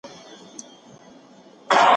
ولي زیارکښ کس د لوستي کس په پرتله خنډونه ماتوي؟